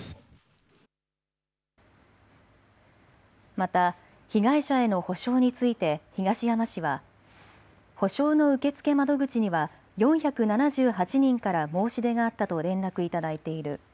また被害者への補償について東山氏は補償の受付窓口には４７８人から申し出があったと連絡いただいている。